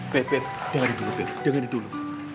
beb dengerin dulu